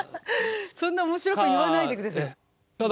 そんな面白く言わないでください。か。か。